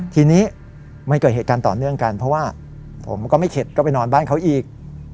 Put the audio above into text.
ทีนี้มันเกิดเหตุการณ์ต่อเนื่องกันเพราะว่าผมก็ไม่เข็ดก็ไปนอนบ้านเขาอีก